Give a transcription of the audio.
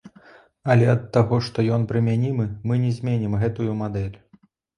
Але ад таго, што ён прымянімы, мы не зменім гэтую мадэль.